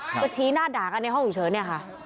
ก็ชี้หน้าด่ากันในห้องฉุกเฉินเนี่ยค่ะ